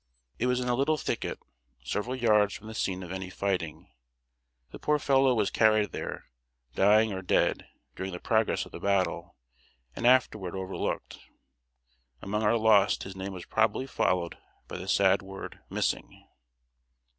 It was in a little thicket, several yards from the scene of any fighting. The poor fellow was carried there, dying or dead, during the progress of the battle, and afterward overlooked. Among our lost his name was probably followed by the sad word "Missing."